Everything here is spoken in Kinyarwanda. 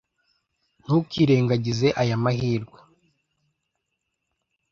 Ntukirengagize aya mahirwe